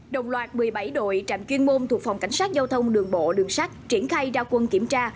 đồng loạt một mươi bảy đội trạm chuyên môn thuộc phòng cảnh sát giao thông đường bộ đường sát triển khai ra quân kiểm tra